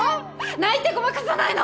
泣いてごまかさないの！